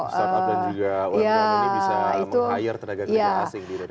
start up dan juga umkm ini bisa meng hire tenaga kerja asing